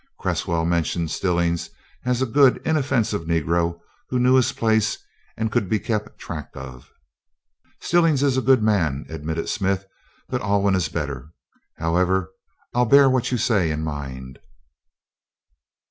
Cresswell mentioned Stillings as a good, inoffensive Negro who knew his place and could be kept track of. "Stillings is a good man," admitted Smith; "but Alwyn is better. However, I'll bear what you say in mind."